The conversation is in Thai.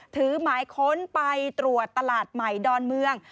ถือหมายค้นไปตรวจตลาดใหม่ดอนเมือง